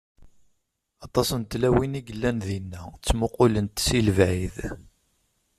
Aṭas n tlawin i yellan dinna, ttmuqulent si lebɛid.